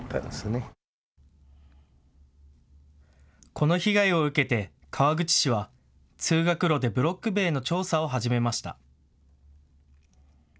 この被害を受けて川口市は通学路でブロック塀の調査を始めました。